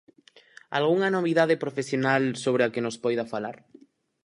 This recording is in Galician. Algunha novidade profesional sobre a que nos poida falar?